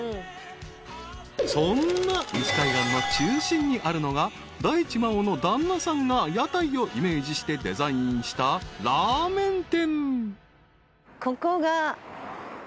［そんな西海岸の中心にあるのが大地真央の旦那さんが屋台をイメージしてデザインしたラーメン店］